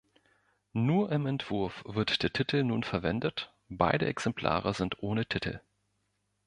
Nur im Entwurf wird der Titel nun verwendet, beide Exemplare sind ohne Titel.